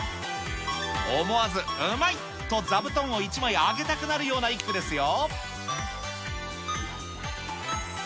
思わずうまい！と、座布団を一枚あげたくなるような一句ですよ。